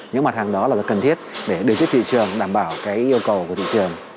những mặt hàng đó là cần thiết để đưa xuất thị trường đảm bảo cái yêu cầu của thị trường